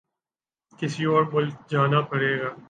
کسی اور ملک جانا پڑے گا